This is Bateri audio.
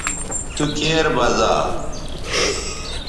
تو کیر بزا